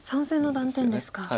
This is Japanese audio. ３線の断点ですか。